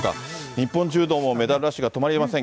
日本柔道もメダルラッシュが止まりません。